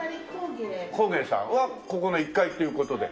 工芸さんはここの１階という事で。